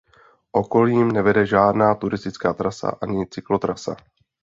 Okolím nevede žádná turistická trasa ani cyklotrasa.